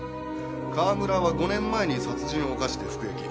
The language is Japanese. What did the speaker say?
川村は５年前に殺人を犯して服役。